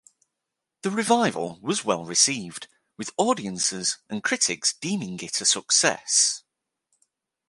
The revival was well-received, with audiences and critics deeming it a success.